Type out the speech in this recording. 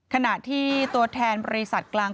ขณะที่ตัวแทนบริษัทกลาง